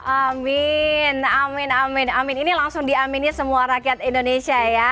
amin amin amin amin ini langsung diamini semua rakyat indonesia ya